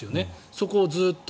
そこをずっと。